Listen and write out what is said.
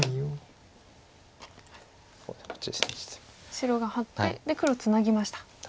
白がハッてで黒ツナぎました。